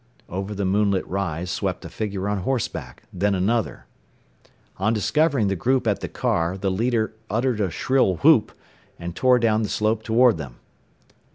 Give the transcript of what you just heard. Over the moonlit rise swept a figure on horseback, then another. On discovering the group at the car, the leader uttered a shrill whoop, and tore down the slope toward them.